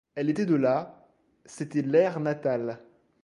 Elle était de là, c'était l'air natal.